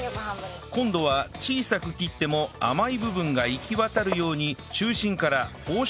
今度は小さく切っても甘い部分が行き渡るようにこう？